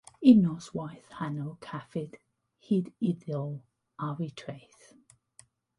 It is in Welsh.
Y noswaith honno cafwyd hyd iddo ar y traeth.